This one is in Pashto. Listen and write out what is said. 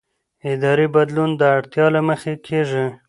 اداري بدلون د اړتیا له مخې کېږي